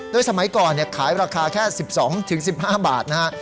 โดยสมัยก่อนเนี่ยขายราคาแค่๑๒๑๕บาทนะฮะ